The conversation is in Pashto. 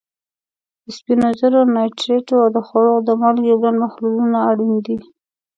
د سپینو زرو نایټریټو او د خوړو د مالګې اوبلن محلولونه اړین دي.